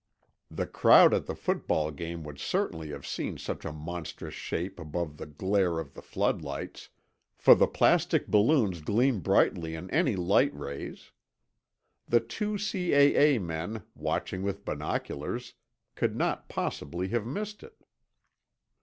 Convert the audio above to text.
The crowd at the football game would certainly have seen such a monstrous shape above the glare of the floodlights, for the plastic balloons gleam brightly in any light rays. The two C.A.A. men, watching with binoculars, could not possibly have missed it.